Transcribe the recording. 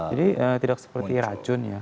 jadi tidak seperti racun ya